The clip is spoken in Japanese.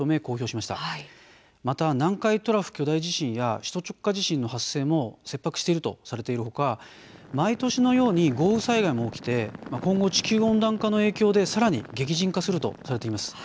また南海トラフ巨大地震や首都直下地震の発生も切迫しているとされているほか毎年のように豪雨災害も起きて今後、地球温暖化の影響でさらに激甚化するとされています。